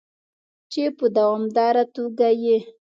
چې په دوامداره توګه یې